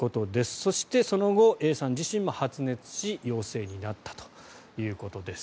そしてその後Ａさん自身も発熱し陽性になったということです。